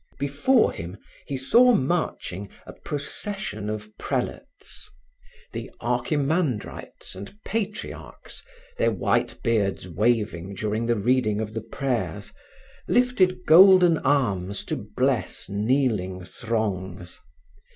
Before him he saw marching a procession of prelates. The archimandrites and patriarchs, their white beards waving during the reading of the prayers, lifted golden arms to bless kneeling throngs.